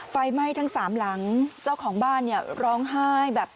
ไฟไหม้ทั้งสามหลังเจ้าของบ้านเนี่ยร้องไห้แบบ